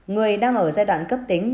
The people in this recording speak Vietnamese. người đang ở giai đoạn cấp tính